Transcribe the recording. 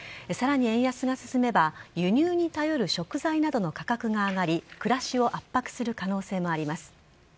さらに円安が進めば、輸入に頼る食材などの価格が上がり、暮らしを圧迫する可能性もあります。